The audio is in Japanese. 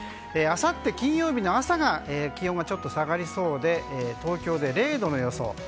あさって金曜日の朝が気温がちょっと下がりそうで東京で０度の予想。